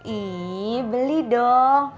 ih beli dong